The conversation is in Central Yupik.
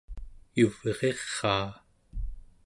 yuvriraa